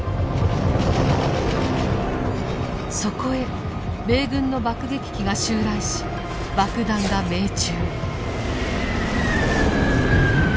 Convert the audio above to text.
そこへ米軍の爆撃機が襲来し爆弾が命中。